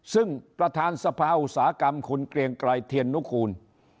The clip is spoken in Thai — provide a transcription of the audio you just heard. ซึ่งประธานสภาอุตสาหกรรมคุณเกรียงไกรเทียนนุกูล